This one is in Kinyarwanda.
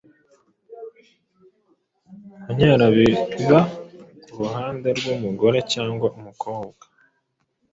kunyara biba k’uruhande rw’umugore cyangwa umukobwa